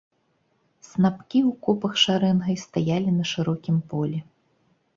Снапкі ў копах шарэнгай стаялі на шырокім полі.